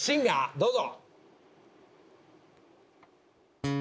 どうぞ！